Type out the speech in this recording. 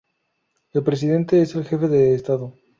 El presidente es el jefe de Estado.